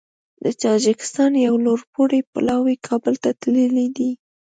د تاجکستان یو لوړپوړی پلاوی کابل ته تللی دی